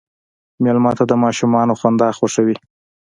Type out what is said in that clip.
مېلمه ته د ماشومانو خندا خوښوي.